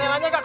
ya baik pak